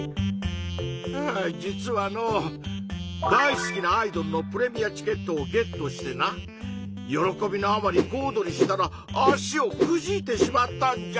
はぁ実はのう大好きなアイドルのプレミアチケットをゲットしてな喜びのあまりこおどりしたら足をくじいてしまったんじゃ！